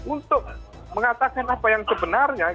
untuk mengatakan apa yang sebenarnya